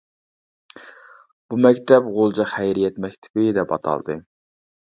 بۇ مەكتەپ «غۇلجا خەيرىيەت مەكتىپى» دەپ ئاتالدى.